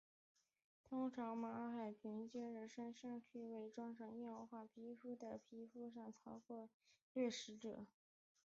通常海马凭借身上体色的伪装及硬化成皮状的皮肤以逃避掠食者。